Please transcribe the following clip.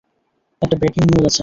একটা breaking news আছে।